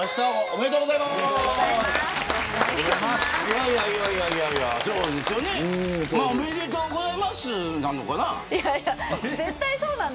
おめでとうございますなのかな。